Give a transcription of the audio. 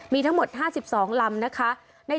มีทั้งหมด๕๒ลำนะคะ